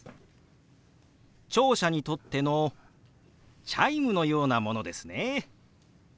聴者にとってのチャイムのようなものですね。